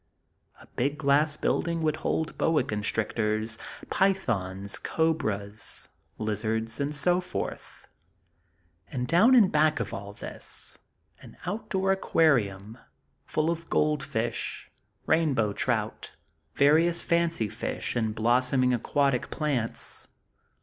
A big glass building would hold boa constrictors, pythons, cobras, lizards, and so forth; and down in back of all this, an outdoor aquarium, full of goldfish, rainbow trout, various fancy fish and blossoming aquatic plants.